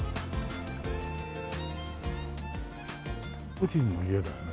個人の家だよね？